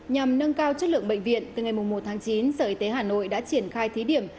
nhằm nâng cao chất lượng bệnh viện từ ngày một tháng chín sở y tế hà nội đã triển khai thí điểm